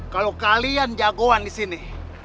kalo kalian jagoan disini